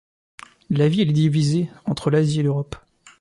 La ville est divisée entre l'Asie et l'Europe.